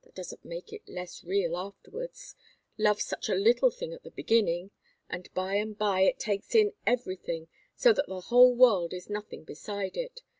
That doesn't make it less real afterwards love's such a little thing at the beginning, and by and by it takes in everything, so that the whole world is nothing beside it.